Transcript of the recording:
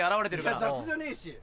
いや雑じゃねえし！